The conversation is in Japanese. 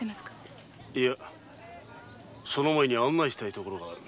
いやその前に案内したい所がある。